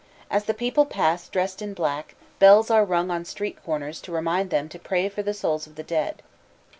As the people pass dressed in black, bells are rung on street corners to remind them to pray for the souls of the dead.